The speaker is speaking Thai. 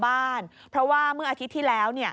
บ้านเพราะว่าเมื่ออาทิตย์ที่แล้ว